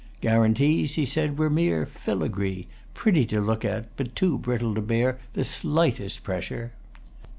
Guarantees, he said, were mere filigree, pretty to look at, but too brittle to bear the slightest pressure.